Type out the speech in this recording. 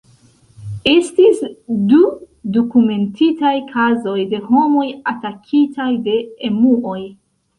Estis du dokumentitaj kazoj de homoj atakitaj de emuoj.